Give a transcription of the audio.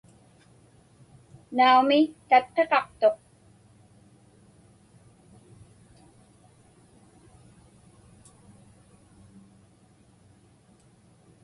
Naumi, tatqiqaqtuq.